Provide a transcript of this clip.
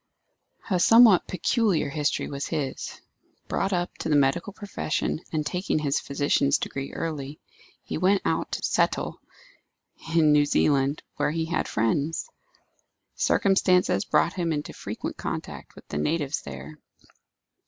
A somewhat peculiar history was his. Brought up to the medical profession, and taking his physician's degree early, he went out to settle in New Zealand, where he had friends. Circumstances brought him into frequent contact with the natives there.